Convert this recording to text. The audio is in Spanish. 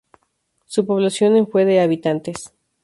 Su población en fue de habitantes.